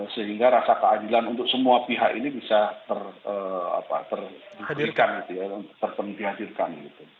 sehingga rasa keadilan untuk semua pihak ini bisa terhadirkan gitu ya terpenghidupkan gitu